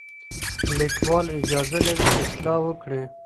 لیکوال اجازه لري اصلاح وکړي.